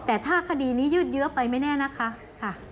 แต่ถ้าคดีนี้ยืดเยอะไปไม่แน่นะคะ